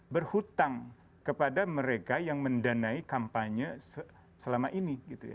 berhutang kepada mereka yang mendanai kampanye selama ini